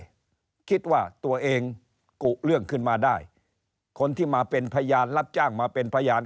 คิดว่าตัวเองกุเรื่องขึ้นมาได้คนที่มาเป็นพยานรับจ้างมาเป็นพยาน